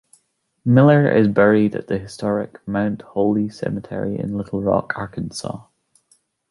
Miller is buried at the historic Mount Holly Cemetery in Little Rock, Arkansas.